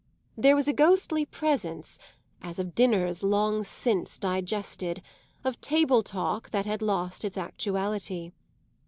There was a ghostly presence as of dinners long since digested, of table talk that had lost its actuality.